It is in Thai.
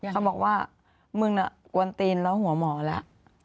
เขาบอกว่ามึงน่ะกวนตีนแล้วหัวหมอแล้ว